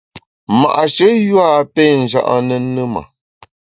Ma’she yua a pé nja’ ne ne ma !